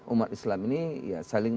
umat islam ini ya saling